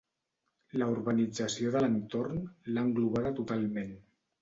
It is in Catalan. La urbanització de l'entorn l'ha englobada totalment.